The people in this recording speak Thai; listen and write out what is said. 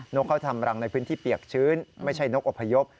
กเขาทำรังในพื้นที่เปียกชื้นไม่ใช่นกอพยพ